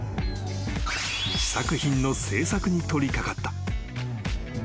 ［試作品の制作に取り掛かった］